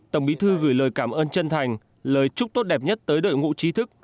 tổng bí thư gửi lời cảm ơn chân thành lời chúc tốt đẹp nhất tới đội ngũ trí thức